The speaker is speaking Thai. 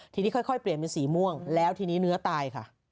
ทีนี้ค่อยเปลี่ยนเป็นสีม่วงแล้วทีนี้เนื้อตายค่ะ